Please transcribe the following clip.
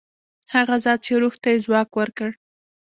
هغه ذات چې روح ته یې ځواک ورکړ.